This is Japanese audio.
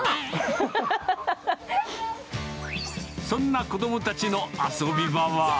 そんな子どもたちの遊び場は。